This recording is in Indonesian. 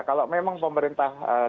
kalau memang pemerintah